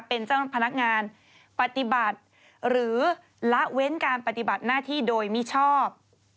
เป็นเจ้าพนักงานปฏิบัติหรือละเว้นการปฏิบัติหน้าที่โดยมิชอบ